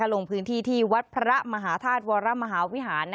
ลงพื้นที่ที่วัดพระมหาธาตุวรมหาวิหาร